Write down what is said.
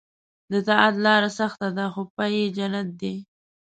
د طاعت لاره سخته ده خو پای یې جنت دی.